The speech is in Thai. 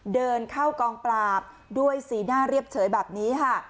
เดินเข้ากองปราบด้วยสีหน้าเรียบเฉยแบบนี้ค่ะ